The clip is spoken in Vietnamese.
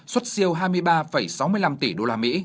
xuất siêu hai mươi ba sáu mươi năm tỷ usd